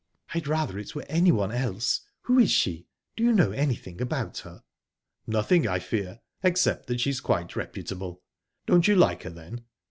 "I'd rather it were anyone else. Who is she? Do you know anything about her?" "Nothing, I fear, except that she's quite reputable...Don't you like her, then?"